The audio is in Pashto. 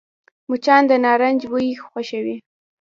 مچان د نارنج بوی خوښوي